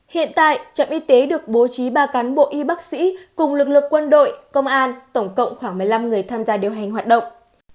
hiện tại trạm y tế được bố trí ba cán bộ y bác sĩ cùng lực lượng quân đội công an tổng cộng khoảng một mươi năm người tham gia điều hành hoạt động